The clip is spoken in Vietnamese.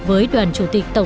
với đoàn chủ tịch tập trung